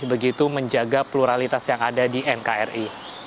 begitu menjaga pluralitas yang ada di nkri